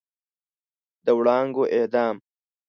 د وړانګو اعدام